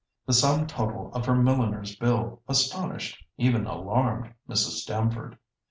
The sum total of her milliner's bill astonished, even alarmed, Mrs. Stamford.